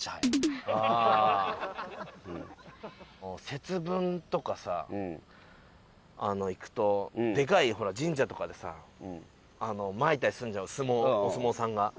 節分とかさ行くとでかいほら神社とかでさまいたりするじゃん相撲お相撲さんが。